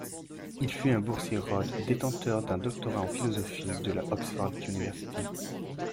Il fut un boursier Rhodes, détenteur d'un doctorat en philosophie de la Oxford University.